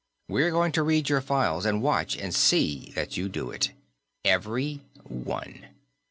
We're going to read your files, and watch and see that you do it. Every one."